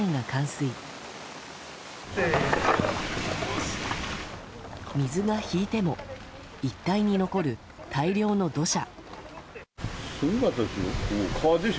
水が引いても一帯に残る大量の土砂。